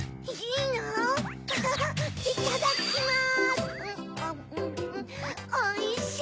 いただきます。